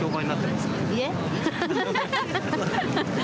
いえ。